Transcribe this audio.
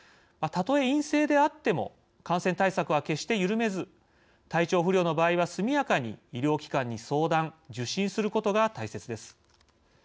たとえ陰性であっても感染対策は決して緩めず体調不良の場合は速やかに医療機関に相談・受診することが大切です。